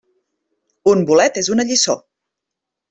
Un bolet és una lliçó.